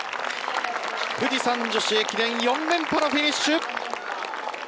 富士山女子駅伝４連覇のフィニッシュ。